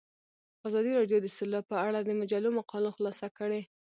ازادي راډیو د سوله په اړه د مجلو مقالو خلاصه کړې.